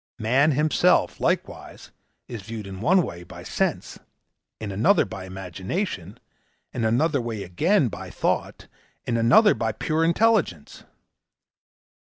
Man himself, likewise, is viewed in one way by Sense, in another by Imagination, in another way, again, by Thought, in another by pure Intelligence.